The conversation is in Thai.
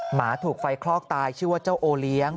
หมาถูกไฟคลอกตายชื่อว่าเจ้าโอเลี้ยง